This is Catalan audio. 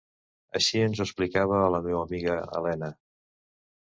Així ens ho explicava a la meua amiga Elena.